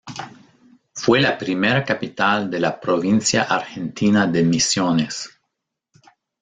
Fue la primera capital de la provincia argentina de Misiones.